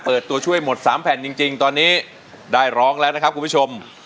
ตัวช่วยหมด๓แผ่นจริงตอนนี้ได้ร้องแล้วนะครับคุณผู้ชม